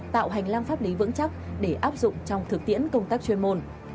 tạo hành lang pháp lý vững chắc để áp dụng trong thực tiễn công tác chuyên môn